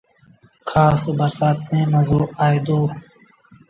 کآس برسآت ميݩ مزو آئي دو۔